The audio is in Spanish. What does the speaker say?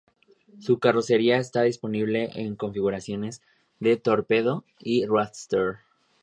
Su carrocería estaba disponible en configuraciones de torpedo y roadster.